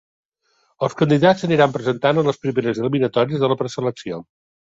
Els candidats s'aniran presentant a les primeres eliminatòries de la preselecció.